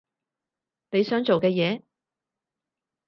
你想做嘅嘢？